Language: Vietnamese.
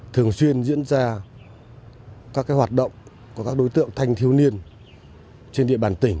thường xuyên diễn ra các hoạt động của các đối tượng thanh thiếu niên trên địa bàn tỉnh